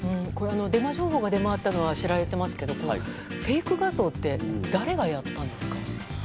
デマ情報が出回ったのは知られているんですがフェイク画像って誰がやったんですか。